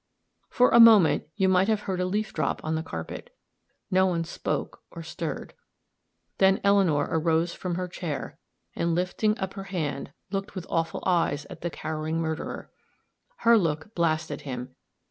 For a moment you might have heard a leaf drop on the carpet; no one spoke or stirred. Then Eleanor arose from her chair, and, lifting up her hand, looked with awful eyes at the cowering murderer. Her look blasted him.